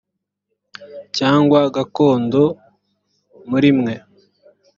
cyangwa gakondo muri mwe